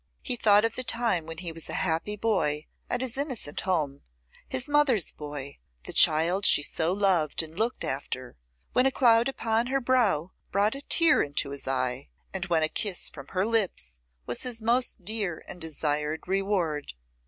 He thought of the time when he was a happy boy at his innocent home; his mother's boy, the child she so loved and looked after, when a cloud upon her brow brought a tear into his eye, and when a kiss from her lips was his most dear and desired reward.